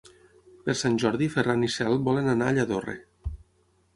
Per Sant Jordi en Ferran i na Cel volen anar a Lladorre.